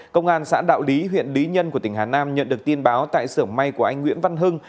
công an xã đạo lý huyện lý nhân của tỉnh hà nam nhận được tin báo tại sưởng may của anh nguyễn văn hưng